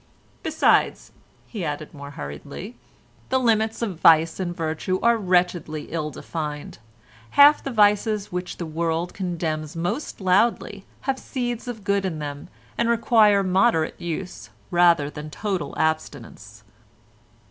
"Besides," he added more hurriedly, "the limits of vice and virtue are wretchedly ill defined. Half the vices which the world condemns most loudly have seeds of good in them and require moderate use rather than total abstinence."